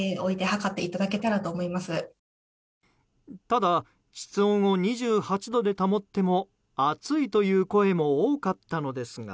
ただ、室温を２８度で保っても暑いという声も多かったのですが。